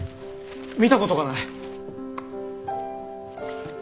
見たことがない！